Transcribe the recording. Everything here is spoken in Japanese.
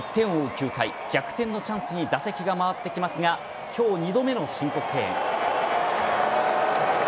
９回逆転のチャンスに打席が回ってきますが今日２度目の申告敬遠。